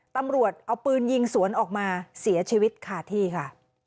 ตำรวจเอาปืนยิงสวนออกมาเสียชีวิตขาดที่ค่ะ